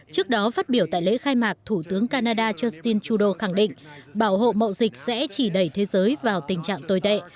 trước đó phát biểu tại lễ khai mạc thủ tướng canada justin trudeau khẳng định bảo hộ mậu dịch sẽ chỉ đẩy thế giới vào tình trạng tồi tệ